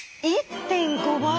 １．５倍？